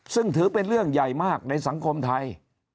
ซึ่งถือเป็นเรื่องใหญ่มากในสังคมไทย